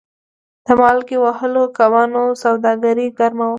د مالګې وهلو کبانو سوداګري ګرمه وه.